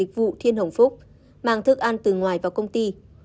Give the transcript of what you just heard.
thương mại dịch vụ thiên hồng phúc mang thức ăn từ ngoài vào công ty